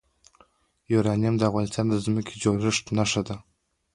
یورانیم د افغانستان د ځمکې د جوړښت نښه ده.